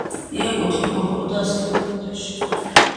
იაკუთი იმყოფებოდა ასევე ეგვიპტეში.